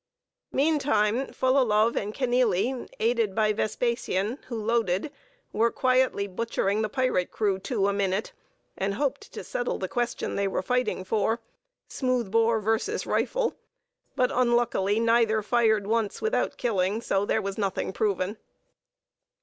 Meantime, Fullalove and Kenealy, aided by Vespasian, who loaded, were quietly butchering the pirate crew two a minute, and hoped to settle the question they were fighting for; smooth bore v. rifle: but unluckily neither fired once without killing; so "there was nothing proven."